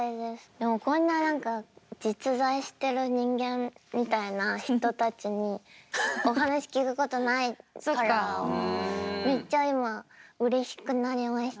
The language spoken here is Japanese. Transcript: でもこんな実在してる人間みたいな人たちにお話聞くことないからめっちゃ今うれしくなりました。